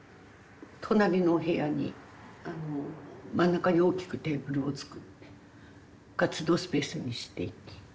隣のお部屋にあの真ん中に大きくテーブルを作って活動スペースにしていき。